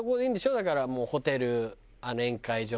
だからもうホテル宴会場のね。